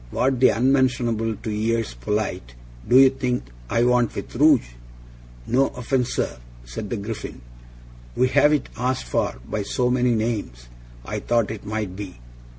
"What the unmentionable to ears polite, do you think I want with rouge?" "No offence, sir," said the Griffin; "we have it asked for by so many names, I thought it might be."